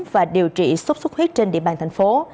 và điều trị sốt xuất huyết trên địa bàn thành phố